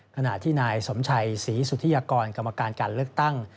ขณะที่นายสมชัยศรีสุธิยากรกรรมการการเลือกตั้ง